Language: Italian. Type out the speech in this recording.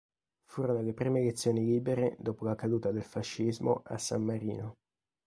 Furono le prime elezioni libere dopo la caduta del fascismo a San Marino.